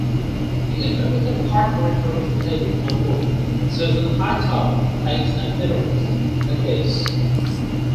The American corporate representative on board, Susan Hightower, takes an interest in the case.